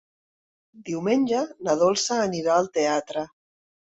Diumenge na Dolça anirà al teatre.